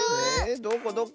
どこどこ？